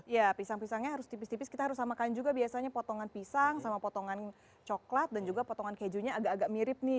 ya pisang pisangnya harus tipis tipis kita harus samakan juga biasanya potongan pisang sama potongan coklat dan juga potongan kejunya agak agak mirip nih